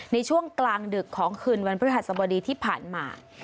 ในช่วงกลางดึกของคืนวันพฤหัสบดีที่ผ่านมา